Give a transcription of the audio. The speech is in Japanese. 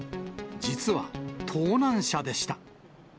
実は盗難車でした。